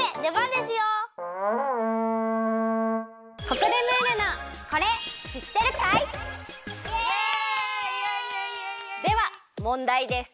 ではもんだいです！